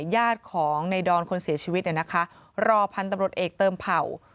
ญาติของในดอนคนเสียชีวิตเนี่ยนะคะรอพันธุ์ตำรวจเอกเติมเผ่า